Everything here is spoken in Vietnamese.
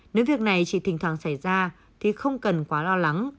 nếu việc này chỉ thỉnh thoảng xảy ra thì không cần quá lo lắng